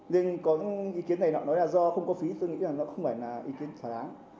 nên có những ý kiến này nó nói là do không có phí tôi nghĩ là nó không phải là ý kiến thỏa án